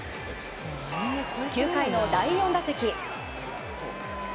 ９回の第４打席。